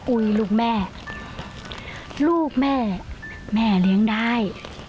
อุ๊ยลูกแม่ลูกแม่แม่เลี้ยงได้